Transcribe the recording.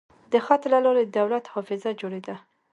د خط له لارې د دولت حافظه جوړېده.